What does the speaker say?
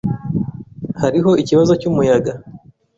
Hariho ikibazo cyumuyaga.